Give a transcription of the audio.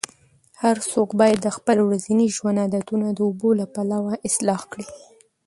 هر څوک باید د خپل ورځني ژوند عادتونه د اوبو له پلوه اصلاح کړي.